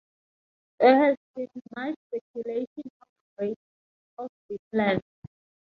There has been much speculation on the grapes of Vinland.